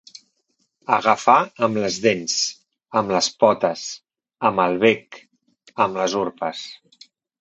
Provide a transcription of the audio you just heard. Agafar amb les dents, amb les potes, amb el bec, amb les urpes.